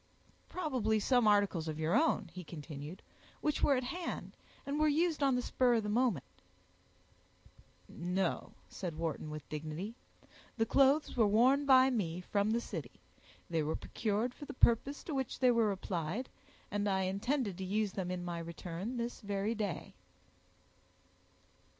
"Probably some articles of your own," he continued, "which were at hand, and were used on the spur of the moment." "No," said Wharton, with dignity, "the clothes were worn by me from the city; they were procured for the purpose to which they were applied, and I intended to use them in my return this very day."